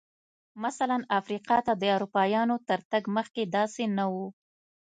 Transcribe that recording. مثلاً افریقا ته د اروپایانو تر تګ مخکې داسې نه و.